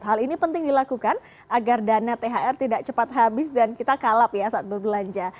hal ini penting dilakukan agar dana thr tidak cepat habis dan kita kalap ya saat berbelanja